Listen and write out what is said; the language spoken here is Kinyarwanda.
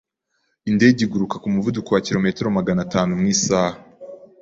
Indege iguruka ku muvuduko wa kilometero magana atanu mu isaha.